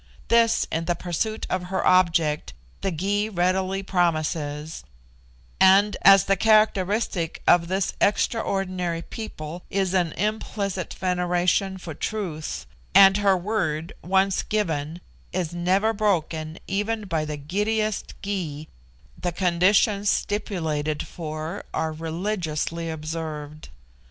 This, in the pursuit of her object, the Gy readily promises; and as the characteristic of this extraordinary people is an implicit veneration for truth, and her word once given is never broken even by the giddiest Gy, the conditions stipulated for are religiously observed.